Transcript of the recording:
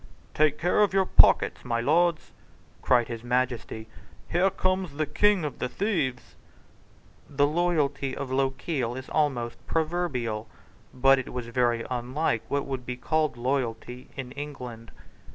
"Take care of your pockets, my lords," cried his Majesty; "here comes the king of the thieves." The loyalty of Lochiel is almost proverbial: but it was very unlike what was called loyalty in England.